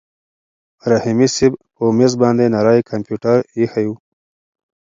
رحیمي صیب په مېز باندې نری کمپیوټر ایښی و.